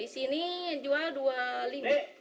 di sini jual dua puluh lima